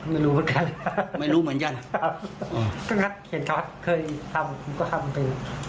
ไม่รู้เหมือนกันไม่รู้เหมือนกันก็ค่ะเคยทำก็ทำเป็น